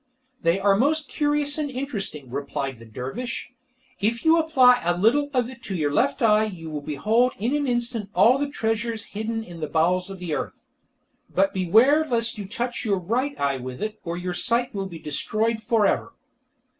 "They are most curious and interesting," replied the dervish. "If you apply a little of it to your left eye you will behold in an instant all the treasures hidden in the bowels of the earth. But beware lest you touch your right eye with it, or your sight will be destroyed for ever."